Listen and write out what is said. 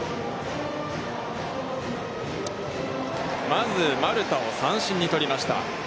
まず丸田を三振に取りました。